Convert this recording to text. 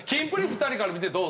２人から見てどう？